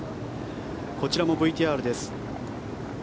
こちらもＶＴＲです。